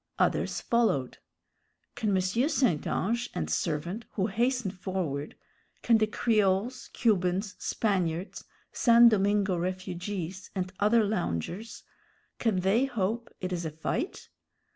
Others followed. Can M. St. Ange and servant, who hasten forward can the Creoles, Cubans, Spaniards, San Domingo refugees, and other loungers can they hope it is a fight?